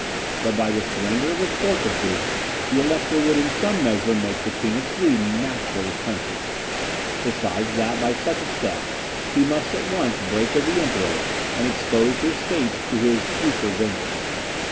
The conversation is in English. But by the surrender of his fortresses, the Elector would in some measure make the King of Sweden master of his country; besides that, by such a step, he must at once break with the Emperor, and expose his States to his future vengeance.